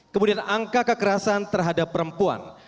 kemudian angka kekerasan terhadap perempuan